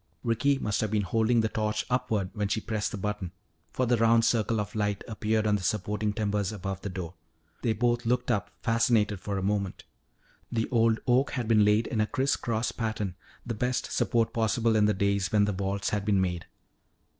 Ricky must have been holding the torch upward when she pressed the button, for the round circle of light appeared on the supporting timbers above the door. They both looked up, fascinated for a moment. The old oak had been laid in a crisscross pattern, the best support possible in the days when the vaults had been made.